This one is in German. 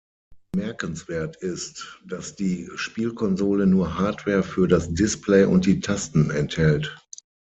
Bemerkenswert ist, dass die Spielkonsole nur Hardware für das Display und die Tasten enthält.